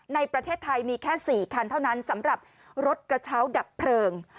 ในประเทศไทยมีแค่๔คันเท่านั้นสำหรับรถกระเช้าดับเพลิง